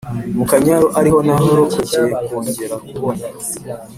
mukanyaru ariho narokokeye nkogera kubona